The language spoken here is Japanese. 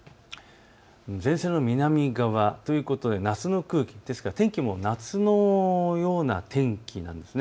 前線の南側ということで夏の空気ですから天気も夏のような天気なんです。